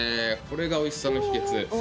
これがおいしさの秘訣。